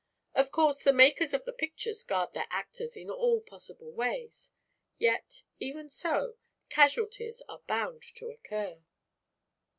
Of course the makers of the pictures guard their actors in all possible ways; yet, even so, casualties are bound to occur."